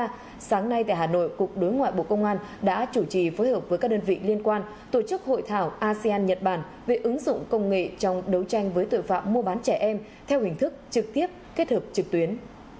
hôm nay sáng nay tại hà nội cục đối ngoại bộ công an đã chủ trì phối hợp với các đơn vị liên quan tổ chức hội thảo asean nhật bản về ứng dụng công nghệ trong đấu tranh với tội phạm mua bán trẻ em theo hình thức trực tiếp kết hợp trực tuyến